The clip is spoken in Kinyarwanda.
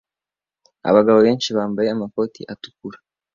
Abagabo benshi bambaye amakoti atukura